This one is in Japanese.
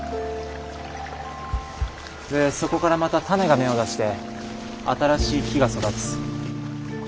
でそこからまた種が芽を出して新しい木が育つ。